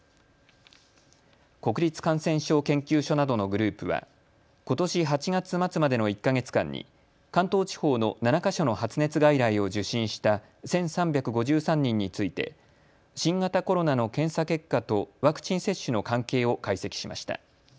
国立感染症研究所などのグループはことし８月末までの１か月間に関東地方の７か所の発熱外来を受診した１３５３人について新型コロナの検査結果とワクチン接種の関係を解析しました。